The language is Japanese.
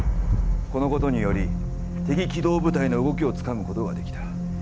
このことにより敵機動部隊の動きをつかむことができた。